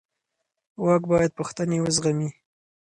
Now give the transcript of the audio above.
واک باید پوښتنې وزغمي